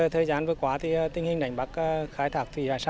thời gian vừa qua tình hình đánh bắt khai thác